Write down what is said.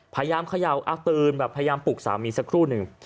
พยายามเขย่าตื่นพยายามปลุกสามีสักครู่หนึ่ง